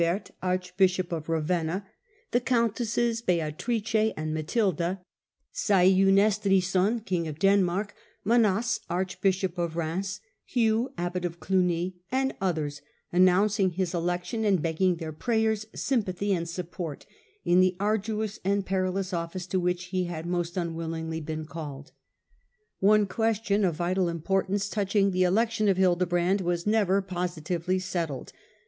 OQ IC HiLDEDRAND POPB 91 Wibert, archbishop of Ravenna; the countesses Beatrice and Matilda; Swegen Estrithson, king of Denmark; Manasse, archbishop of Reims; Hugh, abbot of Clugny ; and others, announcing his election and begging their prayers, sympathy, and support in the arduous and perilous oflBice to which he had most unwillingly been called. One question of vital importance touching the elec tion of Hildebrand was never positively settled.